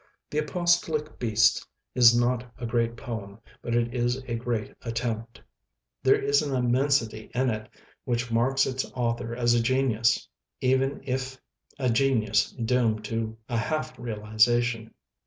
"The Apostolic Beasts" is not a great poem, but it is a great attempt. There is an inmiensity in it which marks its author as a genius, even if a genius doomed to a half realization.